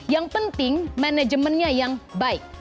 yang penting manajemennya yang baik